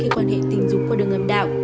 khi quan hệ tình dục qua đường âm đạo